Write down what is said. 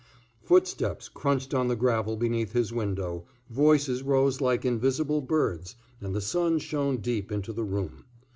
Footsteps crunched on the gravel beneath his window, voices rose like invisible birds, and the sun shone deep into the room.